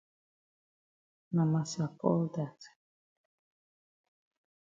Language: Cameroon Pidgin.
Na massa Paul dat.